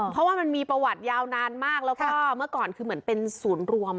เพราะว่ามันมีประวัติยาวนานมากแล้วก็เมื่อก่อนคือเหมือนเป็นศูนย์รวม